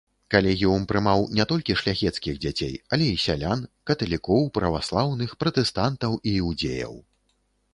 Калегіум прымаў не толькі шляхецкіх дзяцей, але і сялян, каталікоў, праваслаўных, пратэстантаў і іўдзеяў.